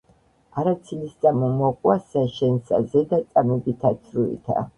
არა ცილი სწამო მოყუასსა შენსა ზედა წამებითა ცრუითა.